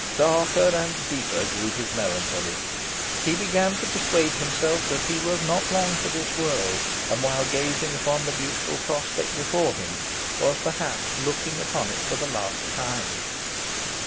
Darker and deeper grew his melancholy. He began to persuade himself he was not long for this world; and, while gazing upon the beautiful prospect before him, was perhaps looking upon it for the last time.